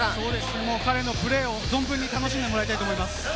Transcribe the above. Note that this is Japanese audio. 彼のプレーを存分に楽しんでほしいと思います。